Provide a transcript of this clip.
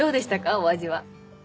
お味は。